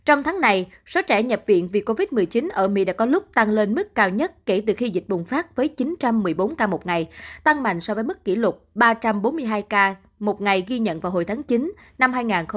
trong tháng này số trẻ nhập viện vì covid một mươi chín ở mỹ đã có lúc tăng lên mức cao nhất kể từ khi dịch bùng phát với chín trăm một mươi bốn ca một ngày tăng mạnh so với mức kỷ lục ba trăm bốn mươi hai ca một ngày ghi nhận vào hồi tháng chín năm hai nghìn hai mươi